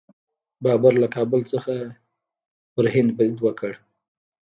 بابر له کابل څخه په هند برید وکړ.